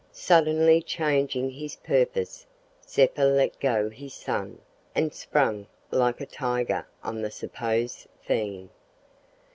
Suddenly changing his purpose, Zeppa let go his son and sprang like a tiger on the supposed fiend.